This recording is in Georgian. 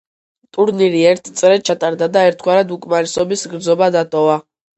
ტურნირი ერთ წრედ ჩატარდა და ერთგვარად უკმარისობის გრძნობა დატოვა.